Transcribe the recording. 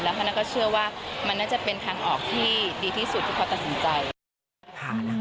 เพราะฉะนั้นก็เชื่อว่ามันน่าจะเป็นทางออกที่ดีที่สุดที่เขาตัดสินใจ